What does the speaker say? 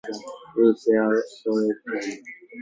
Some students must work or borrow money to afford an education.